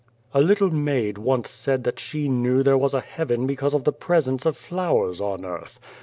"A little maid once said that she knew there was a heaven because of the presence of flowers on earth.